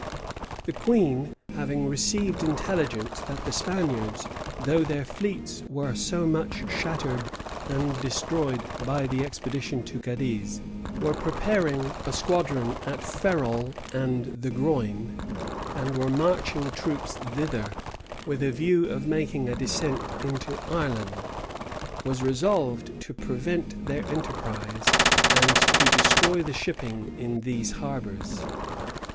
The queen, having received intelligence that the Spaniards, though their fleets were so much shattered and destroyed by the expedition to Cadiz, were preparing a squadron at Ferrol and the Groine, and were marching troops thither, with a view of making a descent in Ireland, was resolved to prevent their enterprise, and to destroy the shipping in these harbors.